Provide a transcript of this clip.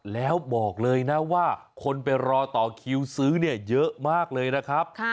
แล้วบอกเลยนะว่าคนไปรอต่อคิวซื้อเนี่ยเยอะมากเลยนะครับ